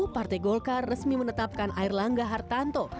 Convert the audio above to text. partai golkar resmi menetapkan air langga hartanto